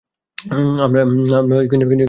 আমরা এখানে কোনো চুক্তি করতে আসিনি।